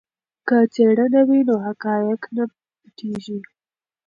که څېړنه وي نو حقایق نه پټیږي.